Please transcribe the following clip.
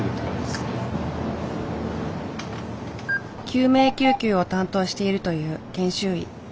救命救急を担当しているという研修医。